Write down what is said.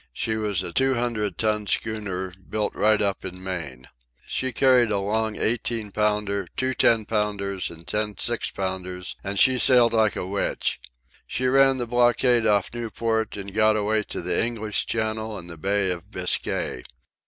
She was a two hundred ton schooner, built right up in Maine. She carried a long eighteen pounder, two ten pounders, and ten six pounders, and she sailed like a witch. She ran the blockade off Newport and got away to the English Channel and the Bay of Biscay.